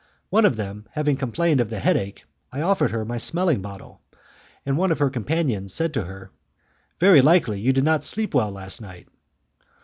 One of them having complained of the headache, I offered her my smelling bottle, and one of her companions said to her, "Very likely you did not sleep well last night."